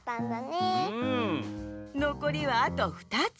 のこりはあと２つ。